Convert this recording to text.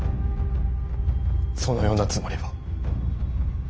そのようなつもりは。